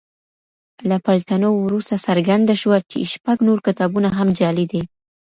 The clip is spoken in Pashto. له پلټنو وروسته څرګنده شوه چې شپږ نور کتابونه هم جعلي دي.